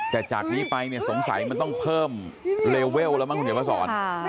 แต่จากนี้ไปเนี่ยสงสัยมันต้องเพิ่มเลเวลแล้วมั้งคุณเขียนมาสอน